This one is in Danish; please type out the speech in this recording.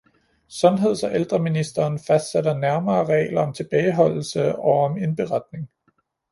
Sundheds- og ældreministeren fastsætter nærmere regler om tilbageholdelse og om indberetning